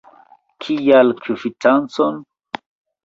Kial kvitancon?